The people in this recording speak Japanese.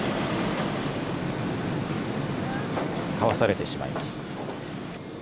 かわされてしまいます。